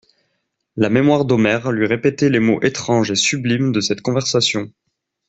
La mémoire d'Omer lui répétait les mots étranges et sublimes de cette conversation.